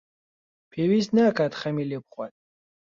پێویست ناکات خەمی لێ بخوات.